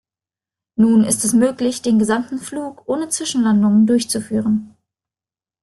Nun ist es möglich, den gesamten Flug ohne Zwischenlandungen durchzuführen.